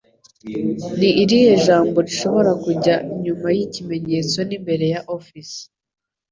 Ni irihe jambo rishobora kujya nyuma y'Ikimenyetso nimbere ya Office